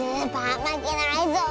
まけないぞ！